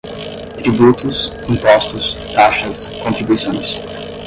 tributos, impostos, taxas, contribuições